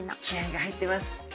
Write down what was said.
気合いが入ってます。